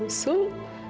bubur sum sum